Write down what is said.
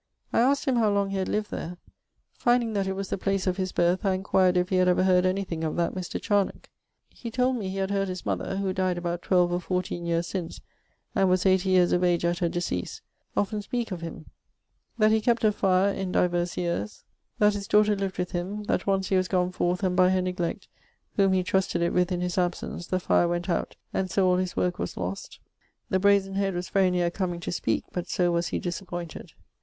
I asked him how long he had lived there. Finding that it was the place of his birth, I inquired if he had ever heard anything of that Mr. Charnocke. He told me he had heard his mother (who dyed about 12 or 14 yeares since and was 80 yeares of age at her decease) often speake of him; that he kept a fire in, divers yeares; that his daughter lived with him; that once he was gone forth, and by her neglect (whome he trusted it with in his absence) the fire went out and so all his worke was lost; the brazen head was very neare comeing to speake, but so was he disappointed.